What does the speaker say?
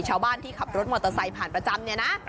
ชาวบ้านที่ขับรถมอเตอร์ไซค์ผ่านประจำเนี่ยนะ